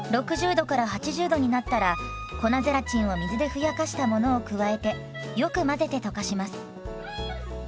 ℃から８０℃になったら粉ゼラチンを水でふやかしたものを加えてよく混ぜて溶かします。